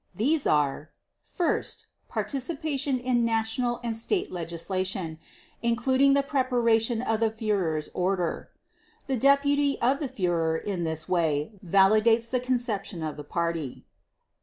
These are: First—participation in national and state legislation, including the preparation of the Führer's order. The deputy of the Führer in this way validates the conception of the Party